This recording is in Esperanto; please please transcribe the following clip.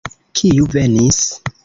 Kiu venis?